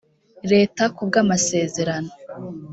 leta ku bw amasezerano